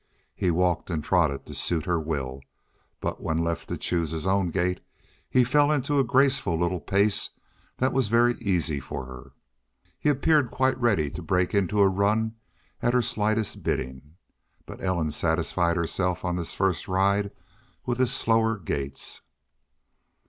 He walked and trotted to suit her will, but when left to choose his own gait he fell into a graceful little pace that was very easy for her. He appeared quite ready to break into a run at her slightest bidding, but Ellen satisfied herself on this first ride with his slower gaits.